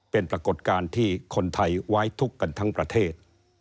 เป็นปรากฏการณ์ที่คนไทยไว้ทุกข์กันทั้งประเทศ